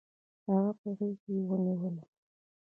هغه په غېږ کې ونیولم.